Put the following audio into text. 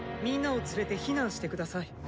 みんなを連れて避難して下さい。